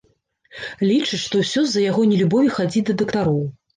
Лічыць, што ўсё з-за яго нелюбові хадзіць да дактароў.